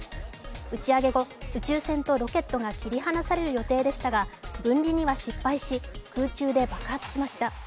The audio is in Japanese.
打ち上げ後、宇宙船とロケットが切り離される予定でしたが分離には失敗し空中で爆発しました。